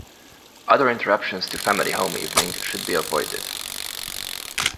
Other interruptions to family home evening should be avoided.